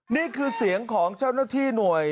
นี่คือเสียงของเจ้าหน้าที่หน่วย